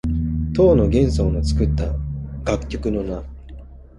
唐の玄宗の作った楽曲の名。